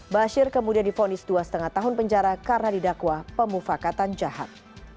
bashir kemudian difonis dua lima tahun penjara karena didakwa pemufakatan jahat